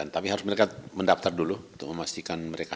tapi harus mereka mendaftar dulu untuk memastikan mereka